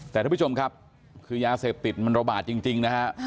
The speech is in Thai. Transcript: แต่ท่านผู้ชมครับคือยาเสพติดมันระบาดจริงนะฮะ